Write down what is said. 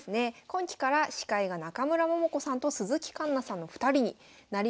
今期から司会が中村桃子さんと鈴木環那さんの２人になりました。